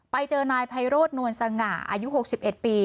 ไปเจอนายไพโรดนวลสังหาอายุหกสิบเอ็ดปี